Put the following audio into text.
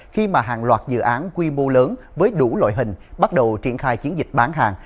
khi mà hàng loạt dự án quy mô lớn với đủ loại hình bắt đầu triển khai chiến dịch bán hàng